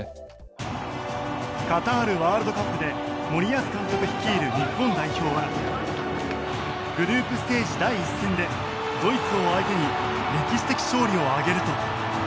カタールワールドカップで森保監督率いる日本代表はグループステージ第１戦でドイツを相手に歴史的勝利を挙げると。